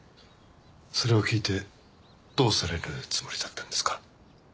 それを聞いてどうされるつもりだったんですか？